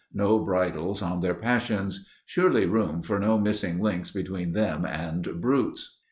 no bridles on their passions ... surely room for no missing links between them and brutes."